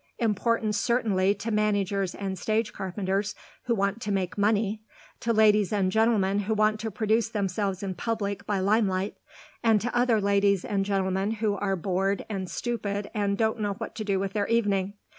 Important certainly to managers and stage carpenters who want to make money, to ladies and gentlemen who want to produce themselves in public by limelight, and to other ladies and gentlemen who are bored and stupid and don't know what to do with their evening.